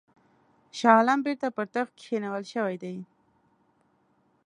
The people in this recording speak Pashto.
شاه عالم بیرته پر تخت کښېنول شوی دی.